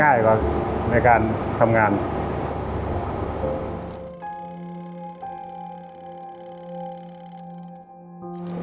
สวัสดีครับผมชื่อสามารถชานุบาลชื่อเล่นว่าขิงถ่ายหนังสุ่นแห่ง